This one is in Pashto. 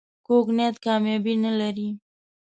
کوږ نیت کامیابي نه لري